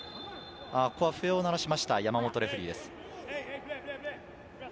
ここは笛を鳴らしました山本レフェリーです。